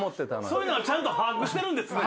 そういうのはちゃんと把握してるんですね